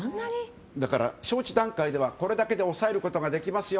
招致段階では、これだけで抑えることができますよ